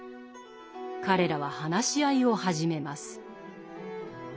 彼らは話し合いを始めます。